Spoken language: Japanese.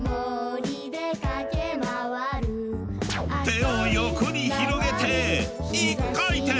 手を横に広げて１回転！